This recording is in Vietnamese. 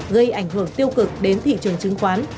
gây ảnh hưởng tiêu cực đến thị trường chứng khoán